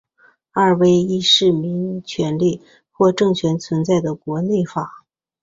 二为依市民权利或政权存在的国内法。